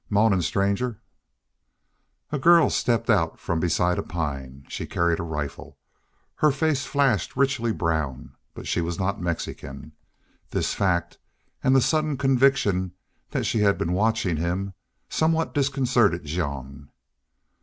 "Mawnin', stranger." A girl stepped out from beside a pine. She carried a rifle. Her face flashed richly brown, but she was not Mexican. This fact, and the sudden conviction that she had been watching him, somewhat disconcerted Jean.